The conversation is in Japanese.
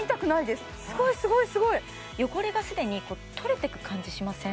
すごいすごいすごい汚れが既に取れてく感じしません？